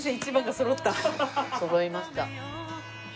そろいました。